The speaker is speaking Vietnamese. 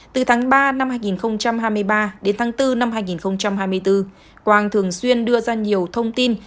từ tháng ba năm hai nghìn hai mươi ba đến tháng bốn năm hai nghìn hai mươi bốn quang thường xuyên đưa ra nhiều thông tin